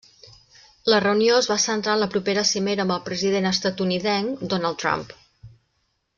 La reunió es va centrar en la propera cimera amb el president estatunidenc Donald Trump.